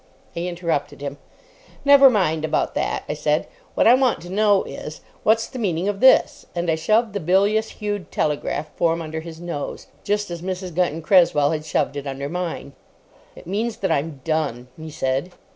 I interrupted him. "Never mind about that," I said. "What I want to know is—what's the meaning of this?" And I shoved the bilious hued telegraph form under his nose, just as Mrs. Gunton Cresswell had shoved it under mine. "It means that I'm done," he said.